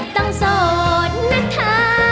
ต้องโสดนะเธอ